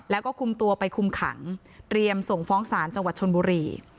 แล้วก็คุมตัวไปคุมขังเตรียมส่งฟ้องศาลจังหวัดชนบุรี